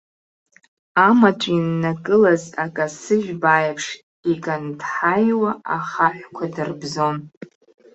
Амаҵә иннакылаз акасыжә баа аиԥш иканҭҳаиуа ахаҳәқәа дырбзон!